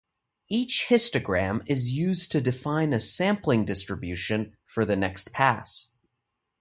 Each histogram is used to define a sampling distribution for the next pass.